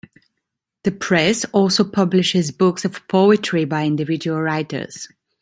The press also publishes books of poetry by individual writers.